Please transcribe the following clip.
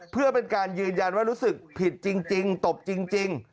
เพื่อเป็นการยืนยันว่ารู้สึกผิดจริงตบจริง